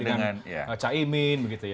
dengan caimin begitu ya